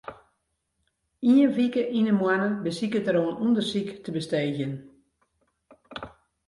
Ien wike yn 'e moanne besiket er oan ûndersyk te besteegjen.